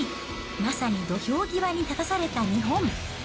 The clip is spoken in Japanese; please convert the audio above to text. まさに土俵際に立たされた日本。